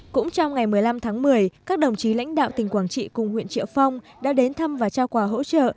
cũng trong ngày một mươi năm tháng một mươi các đồng chí lãnh đạo tỉnh quảng trị cùng huyện triệu phong đã đến thăm và trao quà hỗ trợ